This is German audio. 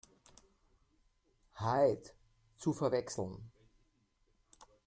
Hyde" zu verwechseln.